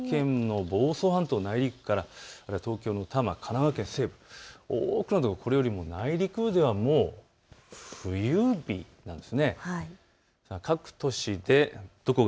こういったところほとんど千葉県の房総半島の内陸から東京の多摩、神奈川県西部多くのところこれよりも内陸部ではもう冬日なんです。